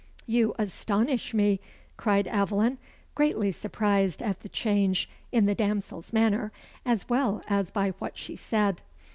"You astonish me!" cried Aveline, greatly surprised at the change in the damsel's manner as well as by what she said.